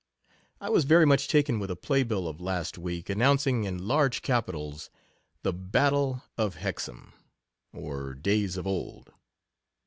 I was very much taken with a play bill of last week, announcing, in large capitals, " The Battle of Hexham, or, Days of Old."